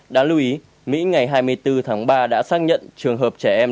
đáng lưu ý mỹ ngày hai mươi bốn tháng ba đã xác nhận trường hợp trẻ em